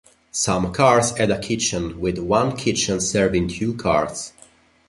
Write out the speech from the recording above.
Some cars had a kitchen, with one kitchen serving two cars.